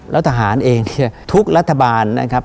แล้วทหารเองเนี่ยทุกรัฐบาลนะครับ